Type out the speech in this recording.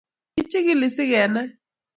kichikili sigenai